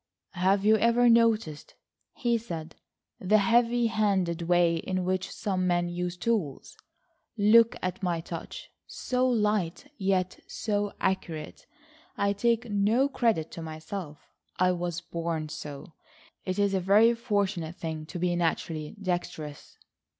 "Have you ever noticed," he said, "the heavy handed way in which some men use tools? Look at my touch,—so light, yet so accurate. I take no credit to myself. I was born so. It's a very fortunate thing to be naturally dexterous."